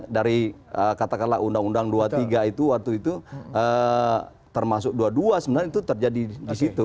dari katakanlah undang undang dua puluh tiga itu waktu itu termasuk dua puluh dua sebenarnya itu terjadi di situ